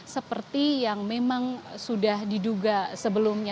seperti yang memang sudah diduga sebelumnya